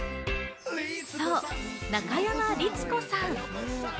そう、中山律子さん。